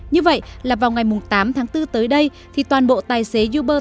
như vậy là vào ngày tám tháng bốn tới đây thì toàn bộ tài xế uber